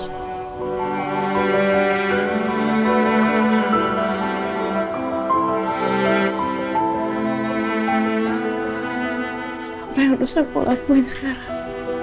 apa yang sudah aku lakuin sekarang